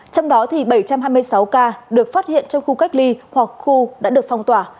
trong đó bảy trăm hai mươi sáu ca được phát hiện trong khu cách ly hoặc khu đã được phong tỏa